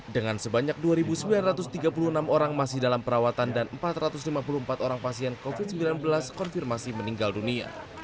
dengan sebanyak dua sembilan ratus tiga puluh enam orang masih dalam perawatan dan empat ratus lima puluh empat orang pasien covid sembilan belas konfirmasi meninggal dunia